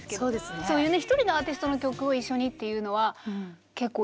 そういうね１人のアーティストの曲を一緒にっていうのは結構いい。